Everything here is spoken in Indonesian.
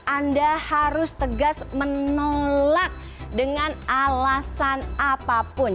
anda harus tegas menolak dengan alasan apapun